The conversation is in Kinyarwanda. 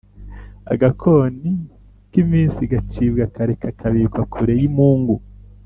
Agakoni k’iminsi gacibwa kare ,kakabikwa kure y’imungu